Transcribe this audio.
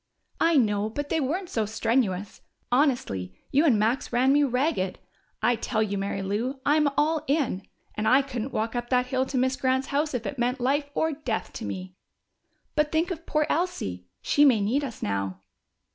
"I know, but they weren't so strenuous. Honestly, you and Max ran me ragged. I tell you, Mary Lou, I'm all in. And I couldn't walk up that hill to Miss Grant's house if it meant life or death to me." "But think of poor Elsie! She may need us now."